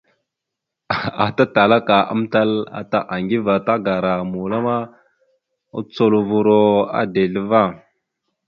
Ata Talaka amtal ata Aŋgiva tagara mula ma, ocolovura a dezl ava.